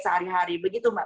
sehari hari begitu mbak